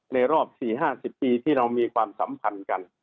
ในรอบสี่ห้าสิบปีที่เรามีความสัมพันธ์กัน